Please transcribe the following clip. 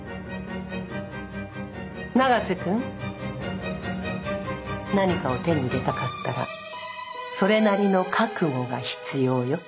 永瀬君何かを手に入れたかったらそれなりの覚悟が必要よ。